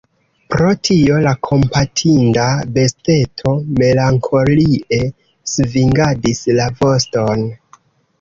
Pro tio la kompatinda besteto melankolie svingadis la voston.